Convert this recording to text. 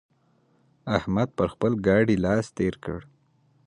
احمد پر خپل ګاډي لاس تېر کړ.